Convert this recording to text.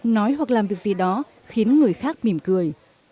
nói hoặc làm việc gì đó khiến người khác mỉm cười